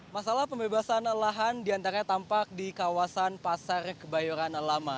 masalah pembebasan lahan diantaranya tampak di kawasan pasar kebayoran lama